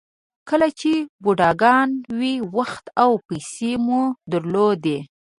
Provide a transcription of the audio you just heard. کله چې بوډاګان وئ وخت او پیسې مو درلودې.